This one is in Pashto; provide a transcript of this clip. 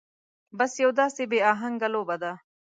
بس يو داسې بې اهنګه لوبه ده.